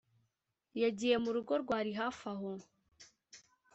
yagiye mu rugo rwari hafi aho